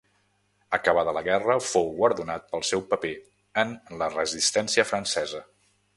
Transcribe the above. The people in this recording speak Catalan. Acabada la guerra, fou guardonat pel seu paper en la resistència francesa.